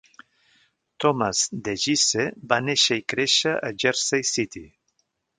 Thomas DeGise va néixer i créixer a Jersey City.